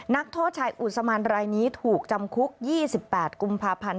นักโทษชายอุศมันรายนี้ถูกจำคุก๒๘กุมภาพันธ์